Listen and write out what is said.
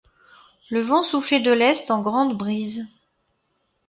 Le vent soufflait de l’est en grande brise.